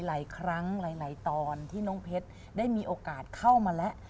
หลายครั้งหลายตอนที่น้องเพชรได้มีโอกาสเข้ามาแล้ว